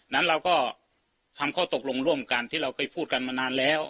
นั้นเราก็ทำข้อตกลงร่วมกันที่เราเคยพูดกันมานานแล้ว